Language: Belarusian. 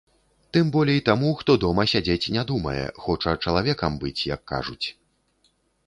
Тым болей таму, хто дома сядзець не думае, хоча чалавекам быць, як кажуць.